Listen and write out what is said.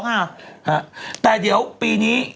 ฮะฮะแต่เดี๋ยวปีนี้